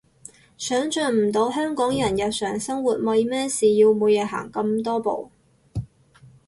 想像唔到香港人日常生活為咩事要每日行咁多步